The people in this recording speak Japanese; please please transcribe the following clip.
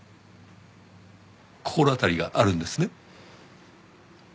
心当たりがあるんですね？